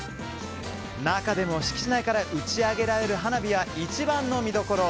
中でも敷地内から打ち上げられる花火は一番の見どころ！